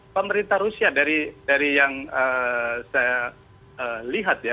pemerintah rusia dari yang saya lihat ya